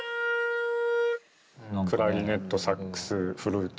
クラリネットサックスフルート。